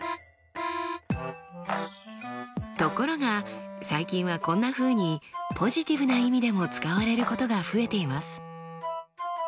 ところが最近はこんなふうにポジティブな意味でも使われることが増えています。